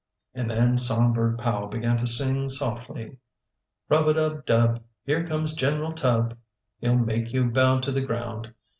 And then Songbird Powell began to sing softly: "Rub a dub, dub! Here comes General Tubb! He'll make you bow to the ground!